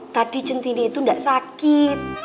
tadi centini itu tidak sakit